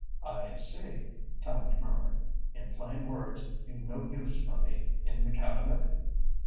"I see," Tallente murmured. "In plain words, you've no use for me in the Cabinet?"